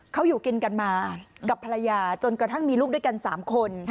เขาอยู่กินกันมากับภรรยาจนกระทั่งมีลูกด้วยกัน๓คน